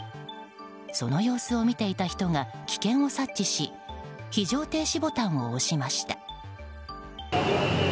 その様子を見ていた人が危険を察知し非常停止ボタンを押しました。